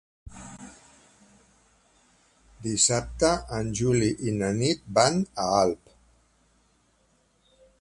Dissabte en Juli i na Nit van a Alp.